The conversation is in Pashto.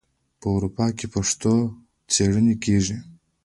په اروپا کې د پښتو څیړنې کیږي.